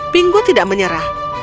pingu tidak menyerah